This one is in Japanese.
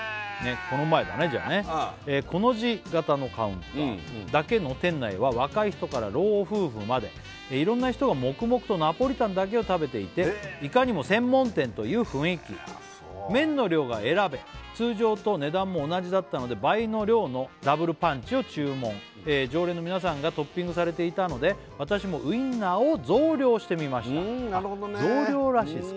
この前だねじゃあねうんコの字型のカウンターだけの店内は若い人から老夫婦までいろんな人が黙々とナポリタンだけを食べていていかにも専門店という雰囲気ああそう麺の量が選べ通常と値段も同じだったので倍の量のダブルパンチを注文常連の皆さんがトッピングされていたので私もうんなるほどね増量らしいです